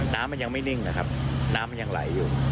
น้ำมันยังไม่นิ่งนะครับน้ำมันยังไหลอยู่